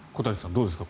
どうですか。